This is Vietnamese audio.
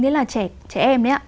đấy là trẻ em đấy ạ